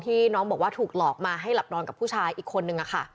น้องบอกว่าถูกหลอกมาให้หลับนอนกับผู้ชายอีกคนนึงค่ะ